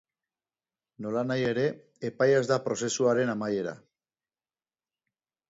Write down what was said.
Nolanahi ere, epaia ez da prozesuaren amaiera.